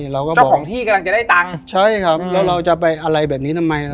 เจ้าของที่กำลังจะได้ตังค์ใช่ครับแล้วเราจะไปอะไรแบบนี้ทำไม